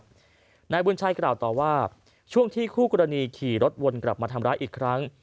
อย่างต่อเนื่องครับนายบุญชัยกล่าวต่อว่าช่วงที่คู่กรณีขี่รถวนกลับมาทำร้ายอีกครั้ง